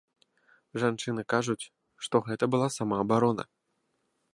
Жанчыны кажуць, што гэта была самаабарона.